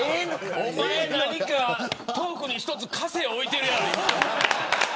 おまえ何かトークに一つかせを置いてるやろ。